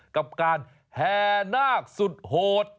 กับการแห่นาคสุดโหด